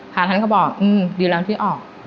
พระท่านก็บอกดีแล้วที่ออก